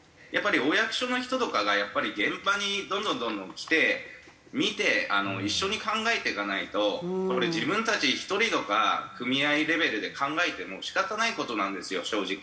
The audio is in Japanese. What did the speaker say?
お役所の人とかがやっぱり現場にどんどんどんどん来て見て一緒に考えていかないとこれ自分たち一人とか組合レベルで考えても仕方ない事なんですよ正直。